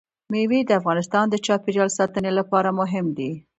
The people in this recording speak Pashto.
مېوې د افغانستان د چاپیریال ساتنې لپاره مهم دي.